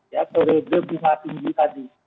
ya periode bunga tinggi tadi